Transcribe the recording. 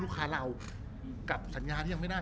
รูปนั้นผมก็เป็นคนถ่ายเองเคลียร์กับเรา